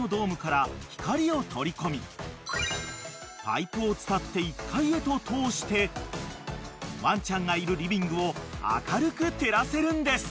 パイプを伝って１階へと通してワンちゃんがいるリビングを明るく照らせるんです］